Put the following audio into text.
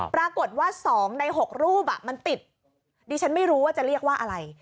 ปรากฏว่า๒ใน๖รูปมันติดดิฉันไม่รู้ว่าจะเรียกว่าอะไร